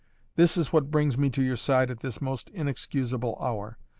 This is what brings me to your side at this most inexcusable hour.